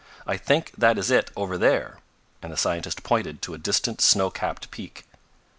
I think that is it over there," and the scientist pointed to a distant snow capped peak.